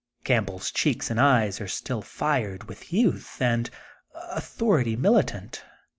Campbell's cheeks and eyes are still fired with youth and authority militant.